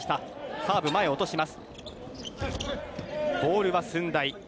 サーブ、前落とします。